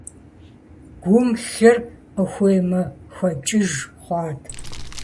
Гум лъыр къыхуемыхуэкӀыж хъуат.